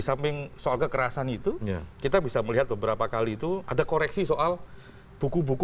samping soal kekerasan itu kita bisa melihat beberapa kali itu ada koreksi soal buku buku